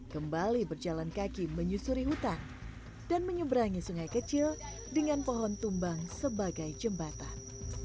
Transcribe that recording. kembali berjalan kaki menyusuri hutan dan menyeberangi sungai kecil dengan pohon tumbang sebagai jembatan